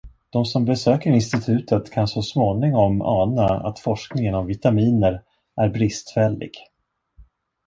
De som besöker institutet kan så småningom ana att forskningen om vitaminer är bristfällig.